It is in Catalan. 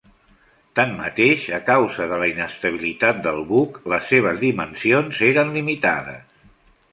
Tanmateix, a causa de la inestabilitat del buc, les seves dimensions eren limitades.